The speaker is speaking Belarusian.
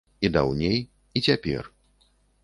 І даўней, і цяпер.